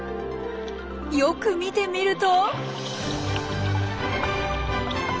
よく見てみると。